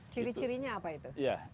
ciri cirinya apa itu